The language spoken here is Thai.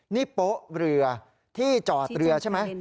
นี่โป๊ะเรือที่จอดเรือใช่ไหม